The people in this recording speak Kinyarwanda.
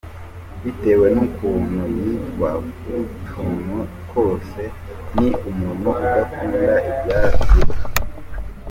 Bitewe n’ukuntu yita ku tuntu twose, ni umuntu udakunda ibyaduka.